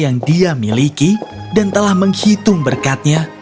yang dia miliki dan telah menghitung berkatnya